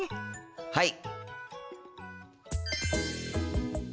はい！